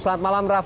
selamat malam raff